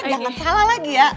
jangan salah lagi ya